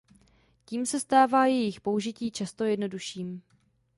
Tím se stává jejich použití často jednodušším.